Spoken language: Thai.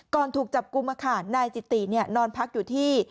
ก่อนถูกจับกุมาค่ะนายจิตินอนพักอยู่ที่